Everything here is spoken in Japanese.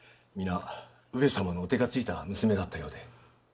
皆上様のお手が付いた娘だったようで。